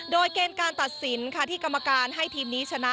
โดยเกณฑ์การตัดสินค่ะที่กรรมการให้ทีมนี้ชนะ